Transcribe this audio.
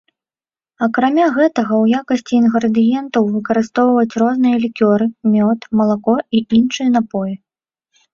Акрамя гэтага ў якасці інгрэдыентаў выкарыстоўваюць розныя лікёры, мёд, малако і іншыя напоі.